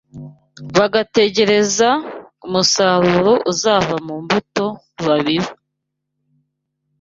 bagategereza umusaruro uzava mu mbuto babiba.